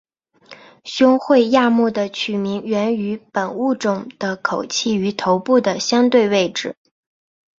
胸喙亚目的取名源于本物种的口器与头部的相对位置。